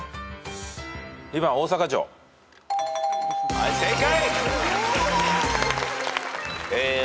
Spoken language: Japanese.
はい正解。